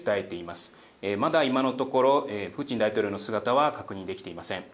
まだ、今のところプーチン大統領の姿は確認できていません。